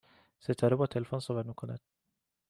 ستاره با تلفن صحبت می کند